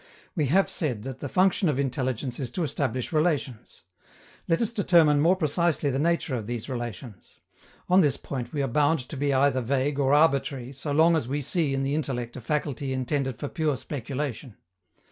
We have said that the function of intelligence is to establish relations. Let us determine more precisely the nature of these relations. On this point we are bound to be either vague or arbitrary so long as we see in the intellect a faculty intended for pure speculation.